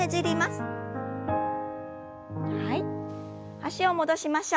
脚を戻しましょう。